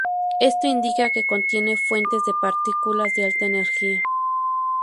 Esto indica que contienen fuentes de partículas de alta energía.